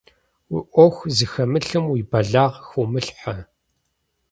Уи ӏуэху зыхэмылъым уи бэлагъ хыумылъхьэ.